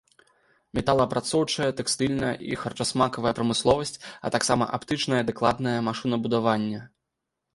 Металаапрацоўчая, тэкстыльная і харчасмакавая прамысловасць, а таксама аптычнае і дакладнае машынабудаванне.